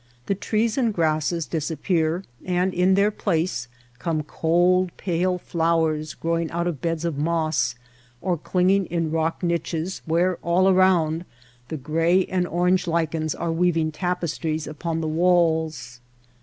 The trees and grasses disappear, and in their place come cold pale flowers growing out of beds of moss, or cling ing in rock niches where all around the gray and orange lichens are weaving tapestries upon the walls.